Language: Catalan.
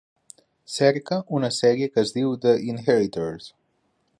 Cerca una sèrie que es diu "The Inheritors".